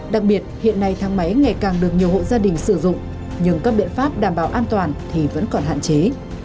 đặc biệt hiện nay thang máy ngày càng được nhiều hộ gia đình sử dụng nhưng các biện pháp đảm bảo an toàn thì vẫn còn hạn chế